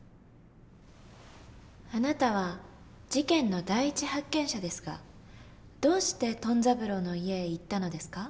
あなたは事件の第一発見者ですがどうしてトン三郎の家へ行ったのですか？